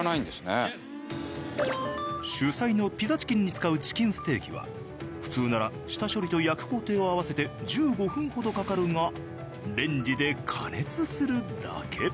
主菜のピザチキンに使うチキンステーキは普通なら下処理と焼く工程を合わせて１５分ほどかかるがレンジで加熱するだけ。